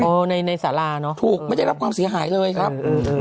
ในในสาราเนอะถูกไม่ได้รับความเสียหายเลยครับอืม